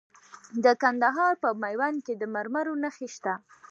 د کندهار په میوند کې د مرمرو نښې شته.